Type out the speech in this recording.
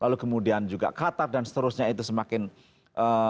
lalu kemudian juga qatar dan seterusnya itu semakin komitmen untuk tetap mempertahankan